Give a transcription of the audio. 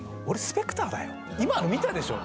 今の見たでしょ？